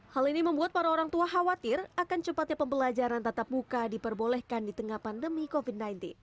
hal ini membuat para orang tua khawatir akan cepatnya pembelajaran tatap muka diperbolehkan di tengah pandemi covid sembilan belas